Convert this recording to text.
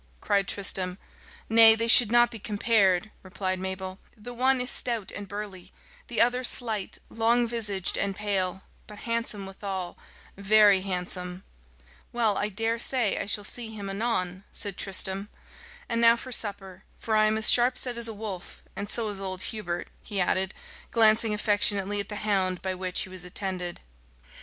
cried Tristram. "Nay, they should not be compared," replied Mabel: "the one is stout and burly; the other slight, long visaged, and pale, but handsome withal very handsome." "Well, I daresay I shall see him anon," said Tristram. "And now for supper, for I am as sharp set as a wolf; and so is old Hubert," he added, glancing affectionately at the hound by which he was attended.